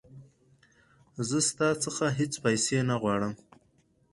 زه ستا څخه هیڅ پیسې نه غواړم.